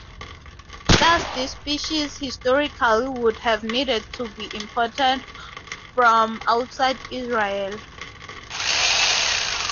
Thus, this species historically would have needed to be imported from outside Israel.